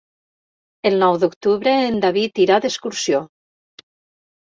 El nou d'octubre en David irà d'excursió.